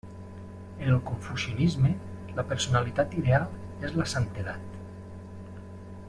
En el confucianisme, la personalitat ideal és la santedat.